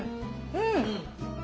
うん。